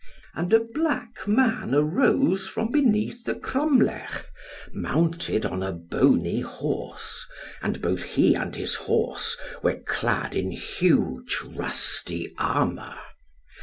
And a black man arose from beneath the cromlech, mounted upon a bony horse, and both he and his horse were clad in huge rusty armour.